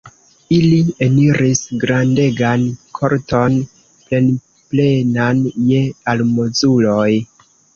Ili eniris grandegan korton, plenplenan je almozuloj.